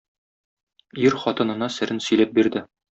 Ир хатынына серен сөйләп бирде.